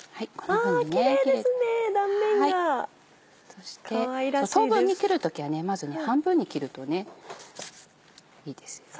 そして等分に切る時はまず半分に切るといいですよね。